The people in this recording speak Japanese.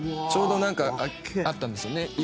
「ちょうどあったんですよね。